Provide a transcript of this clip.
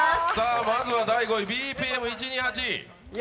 まずは第５位、ＢＰＭ１２８。